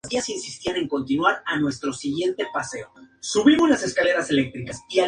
Predomina el viento del sudoeste, seguido por el del cuadrante noroeste.